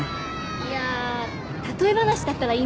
いや例え話だったら言いますね。